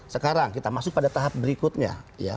sekarang kita masuk pada tahap berikutnya